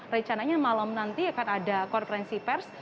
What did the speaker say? rencananya malam nanti akan ada konferensi pers